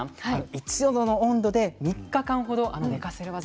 １度の温度で３日間ほど寝かせる技。